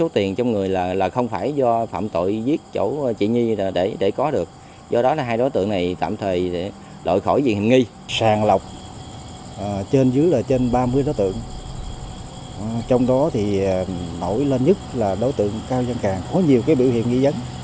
trên dưới là trên ba mươi đối tượng trong đó nổi lên nhất là đối tượng cao văn càng có nhiều biểu hiện nghi dấn